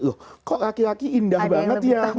loh kok laki laki indah banget ya